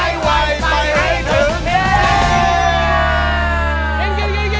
กินกินกิน